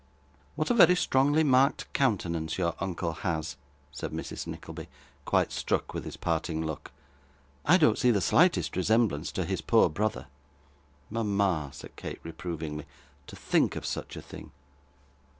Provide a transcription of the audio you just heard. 'What a very strongly marked countenance your uncle has!' said Mrs Nickleby, quite struck with his parting look. 'I don't see the slightest resemblance to his poor brother.' 'Mama!' said Kate reprovingly. 'To think of such a thing!